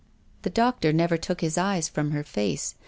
The doctor never took his eyes from her face.